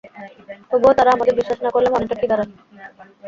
তবুও তারা আমাদের বিশ্বাস না করলে, মানেটা কী দাঁড়ায়?